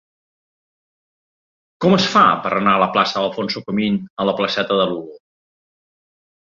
Com es fa per anar de la plaça d'Alfonso Comín a la placeta de Lugo?